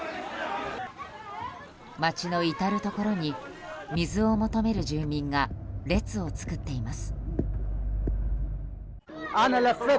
町の至るところに水を求める住民が列を作っています。